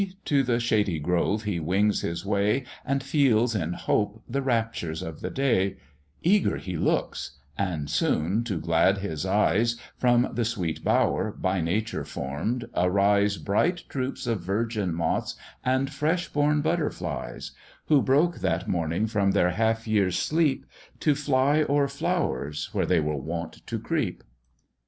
to the shady grove he wings his way, And feels in hope the raptures of the day Eager he looks: and soon, to glad his eyes, From the sweet bower, by nature form'd, arise Bright troops of virgin moths and fresh born butterflies; Who broke that morning from their half year's sleep, To fly o'er flowers where they were wont to creep.